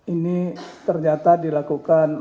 ini ternyata dilakukan